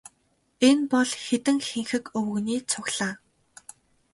Энэ бол хэдэн хэнхэг өвгөний цуглаан.